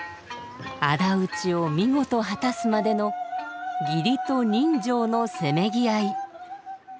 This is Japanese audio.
仇討ちを見事果たすまでの義理と人情のせめぎ合い。